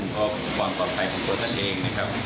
ทุกขั้นเพราะความปลอดภัยของกฎศนั่นเองนะครับ